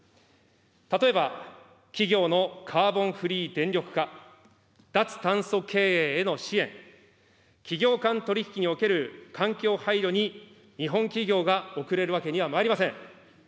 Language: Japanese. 例えば、企業のカーボンフリー電力化、脱炭素経営への支援、企業間取り引きにおける環境配慮に日本企業が遅れるわけにはまいりません。